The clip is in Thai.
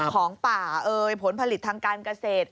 ของป่าเอ่ยผลผลิตทางการเกษตร